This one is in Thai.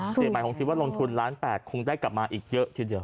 หมายคงคิดว่าลงทุนล้าน๘คงได้กลับมาอีกเยอะทีเดียว